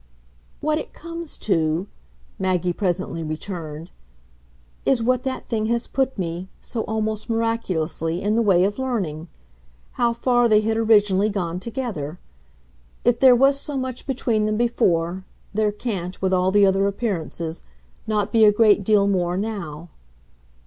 "What it comes to," Maggie presently returned, "is what that thing has put me, so almost miraculously, in the way of learning: how far they had originally gone together. If there was so much between them before, there can't with all the other appearances not be a great deal more now."